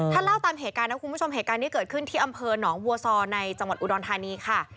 ถ้าเล่าตามเหตุการณ์นะคุณผู้ชมเหตุการณ์นี้เกิดขึ้นที่อำเภอหนองบัวซอในจังหวัดอุดรธานีค่ะ